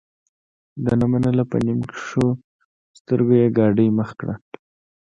ده نه منله په نیم کښو سترګو یې ګاډۍ مخ کړه.